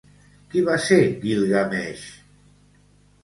Qui va ser Guilgameix?